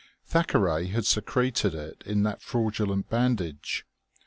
Thackeray had secreted it in that fraudulent bandage.